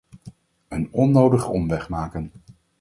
Een onnodige omweg maken.